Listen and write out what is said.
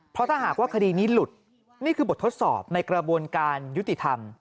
เพราะถ้าหากว่าคดีนี้หลุดนี่คือบททดสอบในกระบวนการยุติธรรม